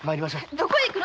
どこへ行くの⁉